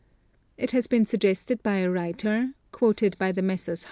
It has been sug gested by a writer, quoted by the Messrs.